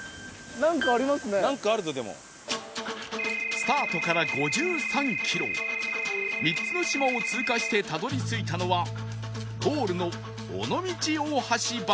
スタートから５３キロ３つの島を通過してたどり着いたのはゴールの尾道大橋バス停